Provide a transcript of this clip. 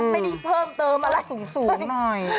ไม่ได้เพิ่มเติมอะไรสูงหน่อย